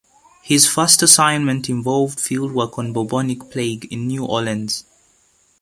His first assignment involved fieldwork on bubonic plague in New Orleans.